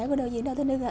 của đạo diễn đầu tiên đây